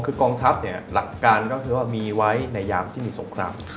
คือกองทัพหลักการก็คือว่ามีไว้ในยามที่มีสงคราม